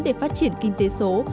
để phát triển kinh tế số